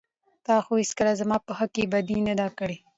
تا خو هېڅکله زما په حق کې بدي نه ده کړى.